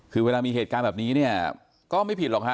คือเวลามีเหตุการณ์แบบนี้เนี่ยก็ไม่ผิดหรอกฮะ